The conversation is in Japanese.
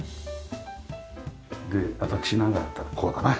で私なんかだったらこうだな。